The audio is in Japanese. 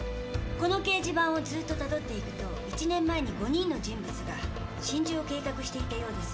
この掲示板をずっと辿って行くと１年前に５人の人物が心中を計画していたようです。